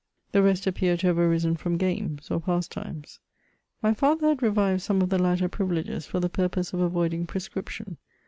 The rest appear to have arisen from games, or pad times. My father had revived some of the latter privileges for the purpose of avoiding prescription.